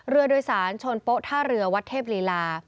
เรือโดยสารชนโป๊ท่าเรือวัดเทพลีลา